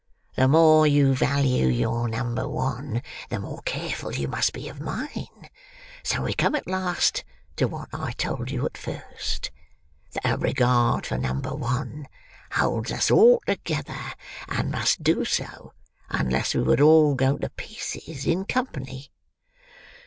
The more you value your number one, the more careful you must be of mine; so we come at last to what I told you at first—that a regard for number one holds us all together, and must do so, unless we would all go to pieces in company."